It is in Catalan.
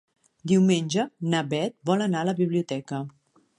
Diumenge na Bet vol anar a la biblioteca.